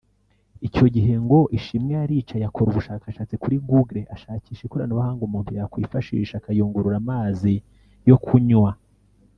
Icyo gihe ngo Ishimwe yaricaye akora ubushakashatsi kuri Google ashakisha ikoranabuhanga umuntu yakwifashisha akayungurura amazi yo kunywa